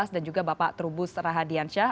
dan juga bapak trubus rahadiansyah